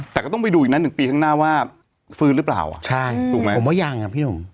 แต่ก็ต้องไปดูอีกนะหนึ่งปีข้างหน้าว่าฟื้นหรือเปล่าใช่ถูกไหมผมว่ายังอ่ะพี่หนุ่ม